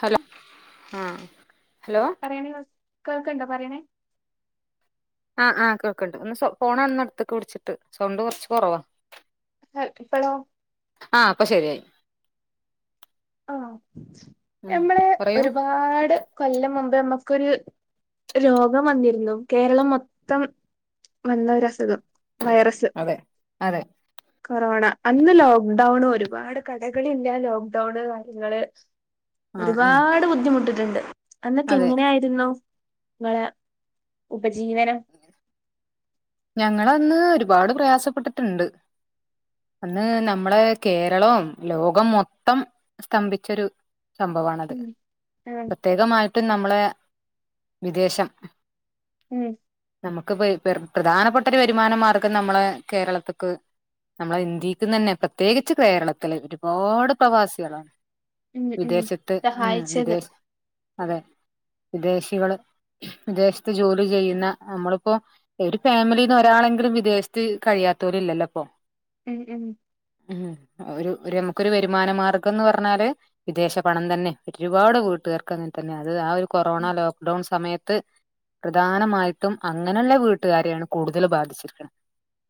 Hello ആ hello [unintelligible] കേൾക്കണ്ടോ പറേണെ ആ ആ കേക്കണ്ട് ഒന്ന് ഫോ ഫോണൊന്ന് അടുത്തേക്ക് പിടിച്ചിട്ട് സൗണ്ട് കൊറച്ച് കൊറവാ ഹൽ ഇപ്പളൊ ആ പ്പ ശെരിയായി ആഹ് ഉം ഞമ്മള് പറയൂ ഒരുപാട് കൊല്ലം മുമ്പെ ഞമ്മക്കൊരു രോഗം വന്നിരുന്നു കേരളം മൊത്തം വന്ന ഒരസുഖം വൈറസ് അതെ അതെ കൊറോണ അന്ന് ലോക്ക്ഡൗണ് ഒരുപാട് കടകളില്ല ലോക്ക്ഡൗണ് കാര്യങ്ങള് ആഹ് ആഹ് ഒരുപാട് ബുദ്ധിമുട്ടിട്ടൊണ്ട് അന്നൊക്കെ അതെ എങ്ങനെയായിരുന്നു. ഇങ്ങളെ ഉപജീവനം. ഞങ്ങളന്ന് ഒരുപാട് പ്രയാസപ്പെട്ടിട്ടൊണ്ട്. അന്ന് നമ്മളെ കേരളവും ലോകം മൊത്തം സ്തംഭിച്ചൊരു സംഭവമാണത് ഉം ആഹ് പ്രത്യേകമായിട്ടും നമ്മളെ വിദേശം. ഉം നമ്മുക്കിപ്പ പ്ര പ്രധാനപ്പെട്ട ഒരു വരുമാനമാർഗം നമ്മളെ കേരളത്ത്ക്ക് നമ്മളെ ഇന്ത്യക്ക് തന്നെ പ്രത്യേകിച്ച് കേരളത്തില് ഒരുപാട് പ്രവാസികളാണ്. ഉം ഉം വിദേശത്ത് ഉം സഹായിച്ചത് വിദേശ് അതെ വിദേശികള് വിദേശത്ത് ജോലിചെയ്യുന്ന നമ്മളിപ്പോ ഒരു ഫാമിലീന്ന് ഒരാളെങ്കിലും വിദേശത്ത് കഴിയാത്തവരിലില്ലല്ലോ ഇപ്പൊ ഉ ഉം ഉം ഒരു ഒരു നമുക്കൊരു വരുമാനമാർഗന്നു പറഞ്ഞാല്. വിദേശപണം തന്നെ ഒരുപാട് വീട്ടുകാർക്കങ്ങനെ തന്നെ അത് ആ ഒരു കൊറോണ ഉം ലോക്ക്ഡൗൺ സമയത്ത് പ്രധാനമായിട്ടും അങ്ങനൊള്ള വീട് ട്ടുകാരെയാണ് കൂടുതല് ബാധിച്ചിരിക്കണേ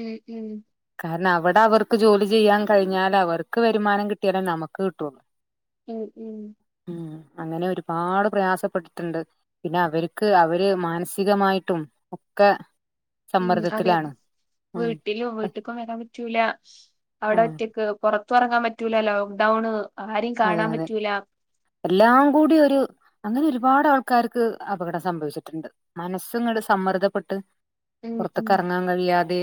ഉം ഉം കാരണം അവിടെ അവർക്ക് ജോലി ചെയ്യാൻ കഴിഞ്ഞാൽ അവർക്ക് വരുമാനം കിട്ടിയാലേ നമുക്ക് കിട്ടുള്ളൂ ഉം ഉം ഉം അങ്ങനെ ഒരുപാട് പ്രയാസപ്പെട്ടിട്ട്ണ്ട് പിന്നെ അവർക്ക് അവര് മാനസികമായിട്ടും ഒക്കെ ഉം അതെ സമ്മർദ്ദത്തിലാണ് ഉം വീട്ടിലും വീട്ട്ക്കു അങ്ങനെ പറ്റൂല അവടെ ആഹ് ഒറ്റക്ക് പുറത്തിറങ്ങാൻ പറ്റൂല ലോക്ക്ഡൌണ് ആരെയും അതെ കാണാൻ അതെ പറ്റൂല എല്ലാം കൂടി ഒര് അങ്ങനെ ഒരുപാട് ആൾക്കാർക്ക് അപകടം സംഭവിച്ചിട്ട്ണ്ട് മനസ്സ്ങ്ങട് സമ്മർദ്ദപ്പെട്ട് ഉം ഉം പുറത്തിക്ക് ഇറങ്ങാൻ കഴിയാതെ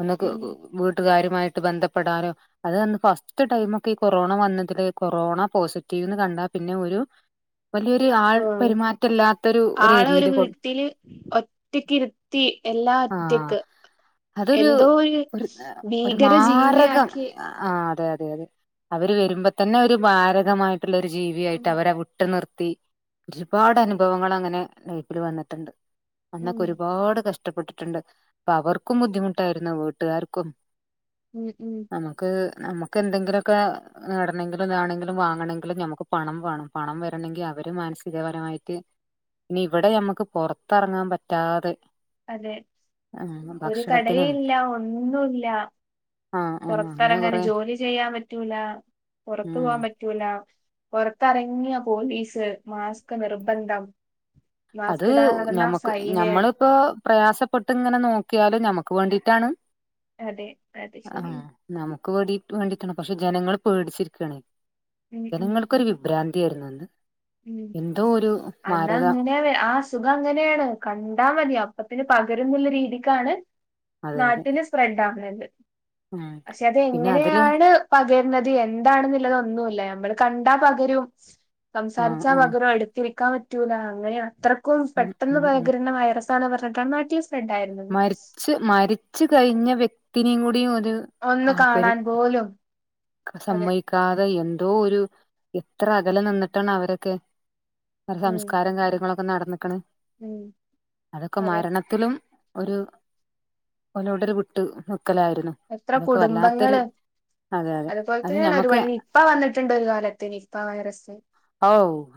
ഒന്നൊ കു ഉം വീട്ടുകാരുമായിട്ട് ബന്ധപ്പെടാനോ അത് വന്ന് ഫസ്റ്റ് ടൈമക്കെ ഈ കൊറോണ വന്നതില് കൊറോണ പോസിറ്റീവ്ന്ന് കണ്ടാൽ പിന്നെ ഒരു വലിയൊരു ആൾ പെരുമാറ്റല്ലാത്തരു ആളെ ഒരു ഏരിയയില് കൊണ്ട് വീട്ടില് ഒറ്റക്ക് ഇരുത്തി എല്ലാം ഒറ്റക്ക് അതൊരു ഒരു ഒരു ഭീകര മാരക ജീവിയാക്കി ആഹ് അതെ അതെ അതെ അവര് വരുമ്പോ തന്നെ ഒരു മാരകമായി മായിട്ടുള്ളൊരു ഉം ജീവിയായിട്ട് അവരെ വിട്ടു നിർത്തി ഒരുപാട് അനുഭവങ്ങൾ അങ്ങനെ ലൈഫിൽ വന്നിട്ടുണ്ട് ഉം അന്നൊക്കെ ഒരുപാട് കഷ് കഷ്ടപ്പെട്ടിട്ടുണ്ട് അപ്പ അവർക്കും ബുദ്ധിമുട്ടായിരുന്നു വീട്ടുകാർക്കും ഉം ഉം നമുക്ക് നമുക്ക് എന്തെങ്കിലൊക്കെ നട വെങ്കിലും ഇതാണെങ്കിലും വാങ്ങണമെങ്കിലും നമുക്ക് പണം വേണം പണം വരണമെങ്കിൽ അവര് മാനസികപരമായിട്ട് ഇനി ഇവിടെ മ്മക്ക് പൊറത്തിറങ്ങാൻ പറ്റാതെ അതെ ഉം ഒരു കടയും ഭക്ഷണത്തിനും ഇല്ല ഒന്നും ഇല്ല ആഹ് ആഹ് അങ്ങനെ പുറത്തിറങ്ങൻ കൊറെ ജോലി ചെയ്യാൻ പറ്റൂല പുറത്തു ഉം പോകൻ പറ്റ് പറ്റൂല പുറത്തിറങ്ങിയ പോലീസ് മാസ്ക് നിർബന്ധം അത് മാസ്ക് ഇടാതെ നടന്നാ ഞമ്മക്ക് ഫൈന് ഞമ്മളിപ്പോ പ്രയാസപ്പെട്ട് ഇങ്ങനെ നോക്കിയാലും ഞമ്മക്ക് വേണ്ടിയിട്ടാണ് അതെ അതെ ശരിയാണ് നമുക്ക് വേടി വേണ്ടിട്ടാണ് പക്ഷെ ജനങ്ങൾ പേടിച്ചിരിക്കാണെ ഉം ഉം ജനങ്ങൾക്കൊരു വി ഭ്രാന്തിയരുന്നു അന്ന് ഉം എന്തോ ഒരു മാരക [unintelligible] ആ അസു സുഖം അങ്ങനെയാണ് കണ്ടാ മതി അപ്പത്തിന് പകരുംന്ന്ള്ള രീതിക്കാണ് അതെ അതെ നാട്ടി ഫ്രണ്ടാ ആവുന്നുണ്ട് ഉം പക്ഷെ പിന്നെ അതില് അതെങ്ങനെയാണ് പകരണത് എന്താണെന്നുള്ളത് ഒന്നുല്ല നമ്മൾ കണ്ടാ പകരും. ആഹ് സംസാരിച്ചാൽ ആഹ് പകരം എടുത്തിരിക്കാൻ പറ്റൂല അങ്ങനെ അത്രക്കും ഉം പെട്ടെന്ന് ഉം ഉം പകരുന്ന വൈറസ് വർത്താനം പറഞ്ഞിട്ടാണ് നാട്ടി സ്പ്രെഡായെ മരിച്ച് മരിച്ച കഴിഞ്ഞ വ്യക്തിനേ കൂടിയും ഒരു ഒന്ന് ആൾപ്പെര് കാണാൻ പോലും [inaudible] അതെ സമ്മ ക്കാതെ എന്തോ ഒരു എത്ര അകലം നിന്നിട്ടാണ് അവരൊക്കെ ഉം സംസ്കാരം കാര്യങ്ങളൊക്കെ നടന്ന്ക്ക്ണ് ഉം അതൊക്കെ അതെ മരണത്തിലും ഒരു ഒലോടൊരു വിട്ട് നിക്കലായിരുന്നു. എത്ര അതൊക്കെ വല്ലാത്തൊരു കുടുംബങ്ങള് അതെ അതെ അതുപോലെ അത് തന്നെയാണ് ഒരു ഞമ്മക്ക് വലി നിപ്പ വന്നിട്ടുണ്ട് ഒരു കാലത്തി നിപ്പ വൈറസ് ഓ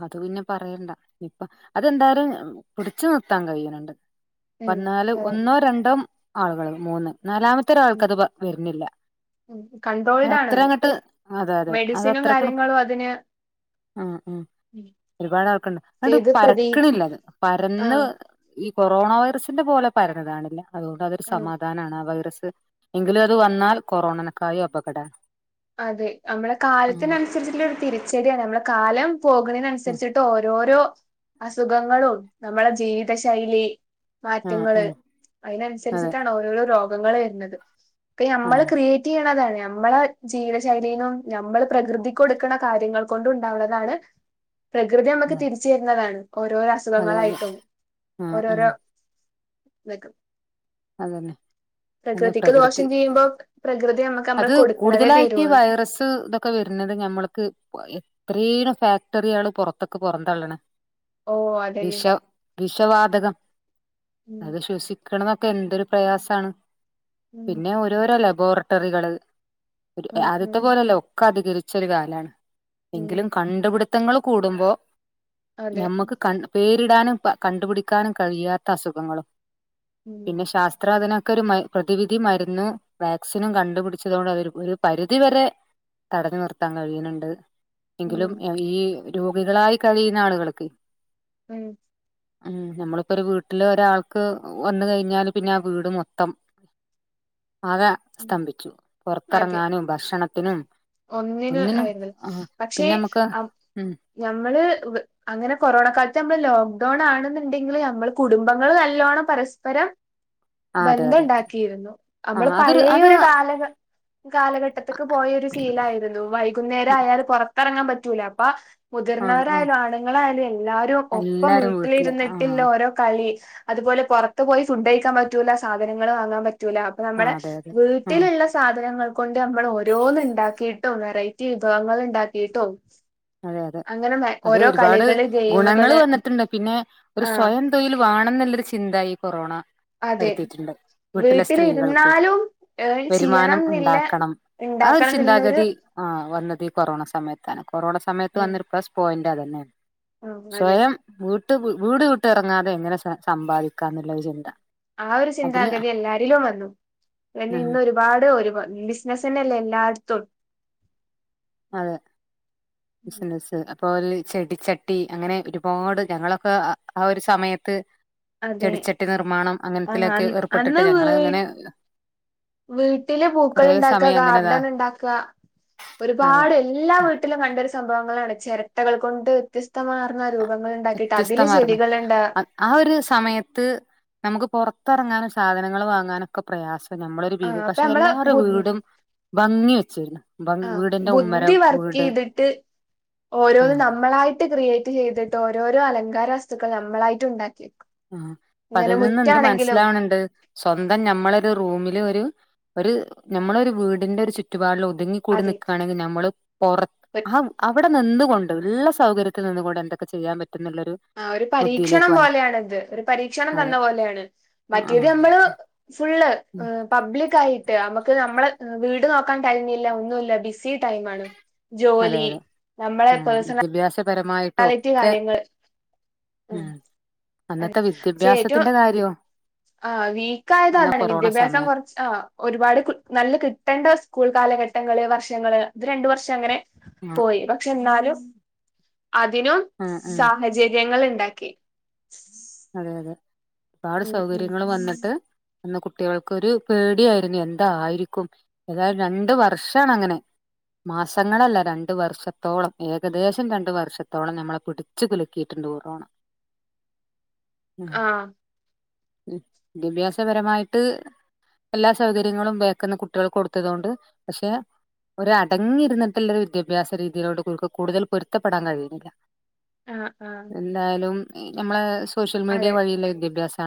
അത് പിന്നെ പറയണ്ട നിപ്പ അതെന്തായാലും പിടച്ച് നിർത്താൻ കഴിയുന്നുണ്ട്. ഉം വന്നാല് ഏഹ് ഒന്നോ രണ്ടോ ആളുകൾ മൂന്ന് നാലാമത്തെ ഉം ഒരാൾക്കത് വരുന്നില്ല. ഉം കൺട്രോൾഡ് അതഅത്ര ആണത് അങ്ങട്ട് അതെ അതെ മെഡിസിനും അതത്രക്കണം- കാര്യങ്ങളും അതിന് ആ ഉ ഉ ഒരുപാട് ആൾക്കുണ്ട് അണ്ട് ചെയ്ത് പ്രതി പരക്കണില്ല അത് പരന്ന് ആഹ് ഈ കൊറോണ വൈറസിന്റെ പോലെ പരഞ്ഞതാണില്ല അതുകൊണ്ട് അതൊരു ഉം സമാദാനം പ്രധന ആ വൈറസ് എങ്കിലും അത് വന്നാൽ കൊറോണനക്കായി അപകടണ്. അതെ നമ്മളെ കാലത്തിനനുസരിച്ചിുള്ള ഒരു തിരിച്ചടിയാണ് നമ്മളെ കാലം ഉം പോകുന്നതിനനുസരിച്ചിട്ട് ഓരോരോ അസുഖങ്ങളും നമ്മള ജീവിത ശൈലി ആഹ് മാറ്റങ്ങള് ഉം അതെ അതിനനുസരിച്ചിട്ടാണ് ഓരോരോ രോഗങ്ങൾ വരുന്നത് അപ്പ നമ്മൾ ആഹ് ക്രിയേ റ്റീണതാണ് നമ്മളെ ജീവിത ശൈലീനും നമ്മൾ പ്രകൃതികൊടുക്കണ കാര്യങ്ങൾ കൊണ്ട് ണ്ടാക്കുന്നതാണ് പ്രകൃതി നമുക്ക് അതെ തിരിച്ചു വരുന്നതാണ് ഓരോര അതെ അതെ അസുഖങ്ങളായിട്ടും ആഹ് ഉം ഓരോരോ വെക് അതന്നെ പിന്നെ പ്രകൃതിക്ക് ദോഷം പ്രകൃതി ചെയ്യുമ്പോ പ്രകൃതി നമ്മുക്ക് നമ്മള് അത് കൊടു കൂടുതലായിട്ട് ഈ വൈറസ് ഇതൊക്കെ വരുന്നത് ഞമ്മൾക്ക് ഇത്രയും ഫാക്ടറികള് പുറത്തൊക്കെ പുറന്തള്ളണ് ഓ അതന്നെ വിഷ വിഷവാതകം ഉം അത് ശ്വസിക്കണ താ എന്തൊരു പ്രയാസണ് ഉം പിന്നെ ഓരോരോ ലബോറട്ടറികള്. ഒരു ഉം ഉം അദ്യത്തെ പോലെല്ലേ ഒക്കെ അധികരിച്ചൊരു കാലാണ് ഉം എങ്കിലും കണ്ടുപിടി ത്തങ്ങൾ കൂടുമ്പോ അതെ നമ്മുക്ക് കൺ-ണ്ട പേരിടാനും കണ്ടുപിടിക്കാനും കഴിയാത്ത അസുഖങ്ങളും. ഉം പിന്നെ ശാസ്ത്രധനൊക്ക ഒരു പ്രതിവിധി മരുന്ന് വാക്സിനും കണ്ടുപിടിച്ചതകൊണ്ട് ഒരു പരിധിവരെ തടഞ്ഞു നിർത്താൻ കഴിയുന്നുണ്ട്. ഉം എങ്കിലും ഈ രോഗികളായി കഴിയുന്ന ആളുകൾക്ക് ഉം ഉ നമ്മളിപ്പോ ഒരു വീട്ടില് ഒരാൾക്ക് വന്ന കഴി ഞ്ഞല് പിന്നെ ആ വീട് മൊത്തം ആകെ- ഉം സ്തംഭിച്ചു അതെ പുറത്തിറങ്ങാനും ഭക്ഷണത്തിനും ഒന്നിന് ഒന്നിനും ആയിര്ന്ന ആ പിന്നെ നമുക്ക് പക്ഷെഅപ്പ് ഉം ഞമ്മള് അങ്ങനെ കൊറോണ കാലത്ത് നമ്മള് ലോക്ക്ഡൌൺ ആണെന്നുണ്ടെങ്കില് നമ്മൾ കുടുംബങ്ങള് നല്ലോണ്ണം പരസ്പരം ആ അതെ അതെ അതെ ബന്ധണ്ടാക്കിയിരുന്നു ആ നമ്മള് അതൊരു അത് പഴയൊരു കാലഘ- കാലഘട്ടത്തൊക്ക പോയൊരു ഷീ ലയിരുന്നു വൈകുന്നേരം അയാല് പുറത്തിറങ്ങാൻ പറ്റൂല അപ്പൊ ആ ആ മുതിർന്നവരായാലും ആണുങ്ങളായാലും എല്ലാരും ഒപ്പം എല്ലാരും വീട്ടില് ആ വീട്ടിലിരുന്നിട്ടില്ല ഓരോ കളി അതുപോലെ പുറത്ത് പോയി ഫുഡ്ഴിക്കാൻ പറ്റൂല സാധനങ്ങൾ വാങ്ങാൻ പറ്റൂല. ആ നമ്മുടെ അതെ അതെ ആ വീട്ടിലുള്ള സാധനങ്ങൾ കൊണ്ട് നമ്മൾ ഓരോന്ന് ഉണ്ടാ ക്കിട്ടും വെറൈറ്റി വിഭവങ്ങൾ ഉണ്ടാക്കിയിട്ടും അതെ അതെ അത് ഒരുപാട് ഗുണങ്ങൾ ഗെയിമുകള് വന്നിട്ടുണ്ട് പിന്നെ ഒരു ആഹ് സ്വയം തൊഴിൽ വേണം ന്നല്ലൊരു ചിന്ത ഈ കൊറോണ അതെ വരുത്തിയിട്ടുണ്ട് വീട്ടിലെ സ്ത്രീകൾക്ക് വീട്ടിലിരുന്നാലും ഏൺ ചെയ്യണം വരുമാനം എന്നില്ല ഉണ്ടാക്കണം. ആ ഒരു ഇണ്ടാക്കണം എന്നുള്ളൊരു ചിന്താഗതി ആ വന്നത് ഈ കൊറോണ സമയത്താണ് കൊറോണ സമയത്ത് ഉം വന്നൊരു പ്ലസ് പോയിന്റ് അതന്നെയാണ് ഉം അതെ സ്വയം വീട്ട് വീട് വിട്ടറങ്ങാതെ എങ്ങനെ സമ്പാദിക്കാന്നുള്ള ഒരു ചിന്ത ആ ഒരു അതില് ആ ചിന്താഗതി എല്ലാരിലും വന്നു പിന്നെ ഇന്നരു ഒരുപാട് ഒരു ബിസിനസ്സന്നല്ലേ എല്ലായിടത്തും അതെ ബിസിനസ് അപ്പോല്ലെ ചെടിച്ചട്ടി അങ്ങനെ ഒരുപാട് ഞങ്ങളൊക്കെ ആ ആ ഒരു സമയത്ത് അതെ ചെടിച്ചട്ടി നിർമ്മാണം അങ്ങനത്തിലൊക്കെ ആഹ് ഏർപ്പെട്ടിട്ട് അന്ന് വീ ഞങ്ങള് ഇങ്ങനെ വീട്ടില് പൂക്കള് ഇണ്ടാക്കാ അങ്ങനെതാ ഗാർഡന് ഇണ്ടാക്കാ അതെ ഒരുപാട് പേര് എല്ലാ വീട്ട്ലും കണ്ടൊരു സംഭവങ്ങളാണ് ചെരട്ടകൾ കൊണ്ട് വ്യത്യസ്തമാർന്ന രൂപങ്ങള് ഇണ്ടാക്കിയിട്ട് അതില് വ്യത്യസ്തമാർന്ന ചെടികള്ണ്ടാ ആ ഒരു സമയത്ത് നമുക്ക് പൊറത്ത് എറങ്ങാനും സാധനങ്ങള് വാങ്ങാനും ക്കെ പ്രയാസാ ഞമ്മളൊരു ഭീഗ് ആഹ് അപ്പൊ പക്ഷെ നമ്മള് എല്ലാരെ ബുദ്ധി വീടും ഭംഗി വെച്ചിര്ന്ന് ആഹ് ബുദ്ധി വർക്കിയ്തിട്ട് ആ ഓരോന്നും നമ്മളായി ട്ട് ക്രിയേറ്റ് ചെയ്തിട്ട് ഓരോരോ അലങ്കാര വസ്തുക്കൾ നമ്മളായിട്ട് ഇണ്ടാക്കിയെക്കും ആഹ് അപ്പ അതിൽ നിന്ന് എന്ത് മനസ്സിലാവ്ണ് ണ്ട് സ്വന്തം ഞമ്മളരു റൂമില് ഒരു ഒരു ഞമ്മളൊരു വീടിന്റെ ഒരു ചുറ്റുപാടിൽ ഒതുങ്ങി കൂടി അതെ നിക്കാണെങ്കിൽ നമ്മള് പൊറ ആഹ് വീ അവ്ടെ നിന്ന്കൊണ്ട് ഇള്ള സൗകര്യത്തിൽ നിന്നുകൊണ്ട് എന്തെക്കെ ചെയ്യാൻ പറ്റുന്ന്ള്ളൊരു ആഹ് ഒരു പരീക്ഷണം പോലെയാണ് ഇത്‌ ഒരു പരീക്ഷണം അതെ തന്ന പോലെയാണ് ആ മറ്റേത് നമ്മള് ഫുള്ള് ഇഹ് പബ്ലിക്കായിട്ട് അമ്മക്ക് ഞമ്മളെ വീട് നോക്കാൻ ടൈം ഇല്ല ഒന്നുല്ല ബിസി ടൈമാണ് ജോലി നമ്മളെ പേഴ്സണൽ ദ്യഭ്യാസപരമായി വെറൈറ്റി കാര്യങ്ങള് ഉം അഹ് അന്നത്തെ പക്ഷെ ഏറ്റവും വിദ്യാഭ്യാസത്തിന്റെ കാര്യോ ആഹ് അന്നാ വീക്കായതോണ്ടാണ് കൊറോണ വിദ്യാഭ്യാസം സമയം കൊർ ആഹ് ഒരുപാട് കു നല്ല കിട്ടണ്ടെ സ്കൂൾ കാലഘട്ടങ്ങള് വർഷങ്ങള് ഇത് രണ്ട് വർഷം അങ്ങനെ ആ പോയി പക്ഷെ ഇന്നാലും അതിനും ആ ആ സാഹചര്യങ്ങള് ഇണ്ടാക്കി അതെ അതെ ഒരുപാട് ഉം സൗകര്യങ്ങള് വന്ന്ട്ട് അന്ന് കുട്ടികൾക്കൊരു പേടിയായിരുന്നു എന്തായിരിക്കും ഏതായാലും രണ്ട് വർഷാണ് അങ്ങനെ മാസങ്ങളല്ല രണ്ട് വർഷത്തോളം ഏകദേശം രണ്ട് വർഷത്തോളം നമ്മളെ പിട് ച്ച് കുലുക്കിയിട്ട്ണ്ട് കൊറോണ ഉം ആ ഉം വിദ്യാഭ്യാസപരമായിട്ട് എല്ലാ സൗകര്യങ്ങളും ബേക്ക്‌ന്ന് കുട്ടികൾക്ക്‌ കൊട്ത്ത്കാണ്ട് പക്ഷെ ഒര് അടങ്ങി ഇര്ന്ന്ട്ട്ല്ലൊരു വിദ്യാഭ്യാസ രീതിയിലോട് ഓൽക്ക് കൂടുതൽ പൊരുത്തപ്പെടാൻ കഴിയ്ണില്ല ആഹ് ആഹ് എന്തായാലും ഈ നമ്മളെ സ് അതെ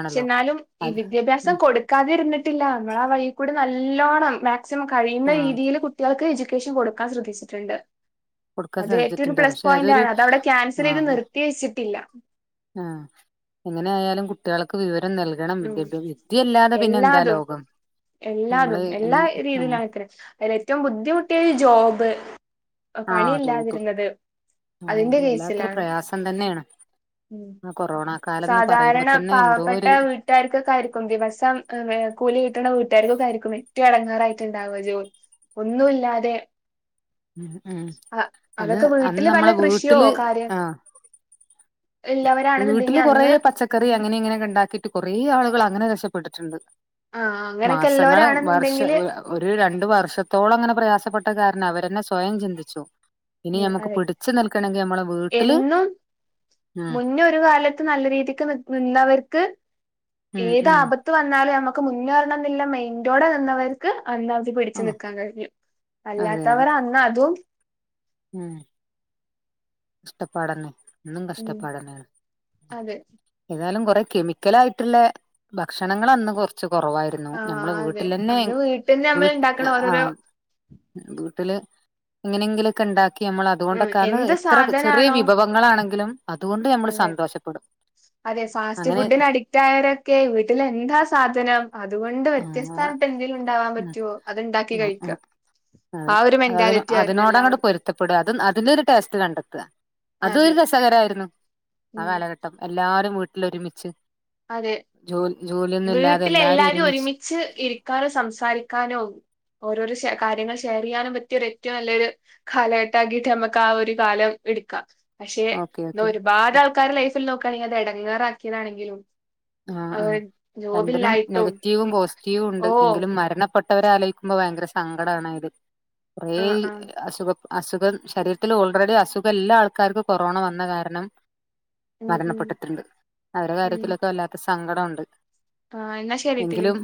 പക്ഷെ ഇന്നാലും ഈ അത് ഉം വിദ്യാഭ്യാസം കൊട് ക്കാതിര്ന്ന്ട്ടില്ല നമ്മള് ആ വഴിക്കൂടെ നല്ലോണം മാക്സിമം കഴിയുന്ന ആഹ് രീതിയില് കു ട്ടികൾക്ക് എജ്യൂക്കേഷൻ കൊടുക്കാൻ ശ്രദ്ധിച്ച്ട്ട്ണ്ട് കൊടുക്കാൻ അത് ഏറ്റവും ഒര് സാധിച്ചിട്ടുണ്ടാവും പ്ലസ് പക്ഷെ പോയന്റ് അതൊരു ആണ് അതത് അവ്ടെ ക്യാൻസലെയ്ത് ആഹ് നിർത്തി വെച്ചിട്ടില്ല ആഹ് എങ്ങനെ ആയാലും കുട്ടികൾക്ക് വിവരം നൽ കണം ഉം വിദ്യഭ്യ വിദ്യയല്ലാതെ പിന്നെ എന്താ എല്ലാതും ലോകം നമ്മള് എല്ലാതും എൻ എല്ലാ രീതിയിലും ആഹ് അങ്ങൻതന്നെ അയ്ല് ഏറ്റവും ബുദ്ധിമുട്ടിയത് ഈ ജോബ് എഹ് ആഹ് ജോബ് പണിയില്ലാതിര്ന്നത് ആഹ് അത് വല്ലാത്തൊരു പ്രയാസം തന്നേണ് ഉം ആഹ് കൊറോണ കാലം ന്ന് പറയുമ്പോ തന്നെ എന്തോ ഒര് വീട്ട്കാര്ക്കൊക്കെ ആയിരിക്കും ദിവസം എഹ് വേ കൂലി കിട്ട്ണ വീട്ടാര്ക്കൊക്കെ ആയിരിക്കും ഏറ്റവും എടങ്ങാറായിറ്റ് ഇണ്ടാവാ ജോലി ഒന്നു ഇല്ലാതെ ഉം ഉം അഹ് അന്ന് അതൊക്കെ അന്ന് വീട്ട്ല് വല്ല നമ്മളെ കൃഷിയോ വീട്ടില് കാര്യം ആഹ് ഇല്ലവരാണെന്നുണ്ടെങ്കി വീട്ടില് കുറേ അന്ന് പച്ചക്കറി അങ്ങനെ ഇങ്ങനെയൊക്കെ ഉണ്ടാക്കിട്ട് കൊറേ ആളുകൾ അങ്ങനെ രക്ഷപ്പെട്ടിട്ടുണ്ട് ആഹ് അങ്ങനെയൊക്കെ മാസങ്ങള് വർഷ ഇല്ലോരാണെന്നുണ്ടെങ്കില് ഒരു രണ്ടു വർഷത്തോളം അങ്ങനെ പ്രയാസപ്പെട്ട കാരണം അവരെന്നെ സ്വയം ചിന്തിച്ചു ഇനി ഉം ഞമ്മക്ക് അതെ പിടച്ച് നിൽക്കണമെങ്കിൽ നമ്മളെ വീട്ടില് ഉം മുന്ന ഒരു കാലത്ത് നല്ല രീതിക്ക് നിന്നവർക്ക് ഉം ഏത് ഉം ആപ ത്ത് വന്നാലും നമ്മുക്ക് മുന്നേറണം എന്നില്ല മെയിൻ്റോടെ നിന്നവർ ക്ക് അന്ന അവധി പിടിച്ചു ആഹ് നൽക്കാൻ കഴിഞ്ഞു അതെ അതെ അല്ലാത്തവർ അന്ന് അതും ഉം കഷ്ടപ്പാടന്നെ ഇന്നും ഉം കഷ്ടപ്പാടന്നേണ് അതെ ഏതായാലും കൊറെ കെമിക്കല ആയിട്ടുള്ള ഭക്ഷണങ്ങൾ അന്ന് കുറച്ച് കുറവായിരുന്നു ആഹ് നമ്മള അതെ വീട്ടിലന്നെ അന്ന് വീട്ടിന്ന് നമ്മൾ വീ ഇണ്ടാക്കണ ആ ഓരോരോ വീട്ടില് എങ്ങനെങ്കിലൊക്കെ ഉണ്ടാക്കി നമ്മൾ ഉം അതുകൊണ്ടൊക്കെന്ന് എന്ത് എത്ര ചെറിയ സാധനാണോ വിഭവം ങ്ങളാണെങ്കിലും അതുകൊണ്ട് നമ്മൾ അതെ സന്തോഷപ്പെടും അതെ ഫാസ്റ്റ് അങ്ങനെ ഫുഡിന് അഡിക്റ്റ് ആയവരൊക്കെ വീട്ടിലെന്താ സാധനം അതുകൊണ്ട് വ്യത്യസ്ത ആഹ് എന്തങ്കലും ഉണ്ടാവാൻ ഉം പറ്റുവോ അത്ണ്ടാക്കി ഉം കഴിക്ക ഉം ആ ഒരു മെന്റാലിറ്റി ആയിരുന്നു എല്ലാവർക്കും പൊരുത്തപ്പെട അതും അതിന്റെ ഒരു ടേസ്റ്റ് കണ്ടെത്തുക അത ഒരു അതെ രസകരായിരുന്നു ആ ഉം കാലഘട്ട എല്ലാരും വീട്ടിലൊ ഒരുമിച്ച് അതെ ജോ ജോലിയൊന്നും ഇല്ലാതെ എല്ലാരും ഒരുമിച്ച് ച്ച് ഇരിക്കാനോ സംസാരിക്കാനോ ഓരോരോ കാര്യങ്ങൾ ഷെയർ ചെയ്യാനും പറ്റിയ ഒരു ഏറ്റവും നല്ലൊരു കാലഘട്ടാക്കിട്ട് നമ്മക്ക് ആ ഒരു കാലം എടുക്കാ പക്ഷെ ഓക്കെ എന്താ ഓക്കെ ഒരുപാട് ആൾക്കാര് ലൈഫിൽ നോക്കുകയാണെങ്കിൽ അത് ഇടങ്ങേറാക്കിയതാണെങ്കിലും ആഹ് ആഹ് രണ്ടിനും നെഗറ്റീവും പോസിറ്റീവും ഉണ്ട് ഓ എങ്കിലും മരണ പെട്ടവരെ ആലോയിക്കുമ്പോ ഭയങ്കര സങ്കടാണ് ഇത് കുറേ ആഹ് ആഹ് അസുഖ അസുഖം ശരീരത്തിൽ ഓൾറെഡി അസുഖം ഇല്ല ആൾക്കാർക്ക് കൊറോണ വന്ന കാരണം ഉം ഉം മരണപ്പെട്ടിട്ടുണ്ട് അവരെ ഉം കാര്യത്തിലൊക്കെ വല്ലാത്ത സങ്കടമുണ്ട് ആ എന്നാ ശരി തില് എങ്കിലും